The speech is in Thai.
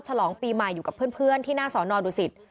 ฉลองปีใหม่อยู่กับเพื่อนที่หน้าสอนอดุสิต